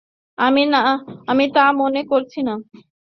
আমি তা মনে করছি না।